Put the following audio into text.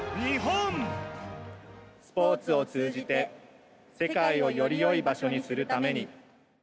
スポーツを通じて世界をより良い場所にするために。